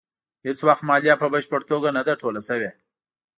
هېڅ وخت مالیه په بشپړه توګه نه ده ټوله شوې.